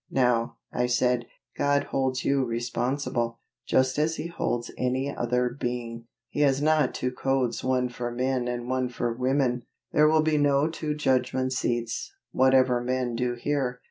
"Now," I said, "God holds you responsible, just as He holds any other being. He has not two codes one for men and one for women. There will be no two judgment seats, whatever men do here.